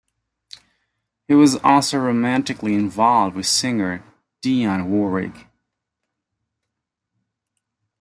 He was also romantically involved with singer Dionne Warwick.